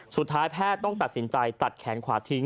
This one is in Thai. สุดท้ายแพทย์ต้องตัดสินใจตัดแขนขวาทิ้ง